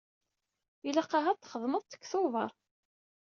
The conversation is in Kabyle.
Ilaq ahat txedmeḍ-t deg Tubeṛ.